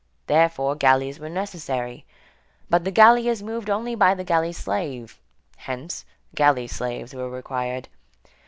Therefore, galleys were necessary; but the galley is moved only by the galley slave; hence, galley slaves were required.